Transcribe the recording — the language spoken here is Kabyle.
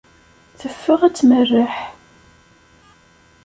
Teffeɣ ad tmerreḥ.